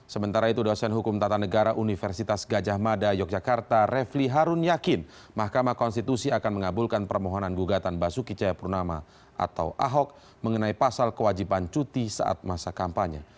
sementara itu dosen hukum tata negara universitas gajah mada yogyakarta refli harun yakin mahkamah konstitusi akan mengabulkan permohonan gugatan basuki cayapurnama atau ahok mengenai pasal kewajiban cuti saat masa kampanye